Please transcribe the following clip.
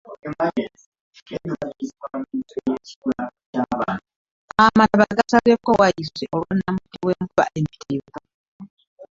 Amataba gasazeeko bwayiise olwa namutiti wenkuba empitirivu.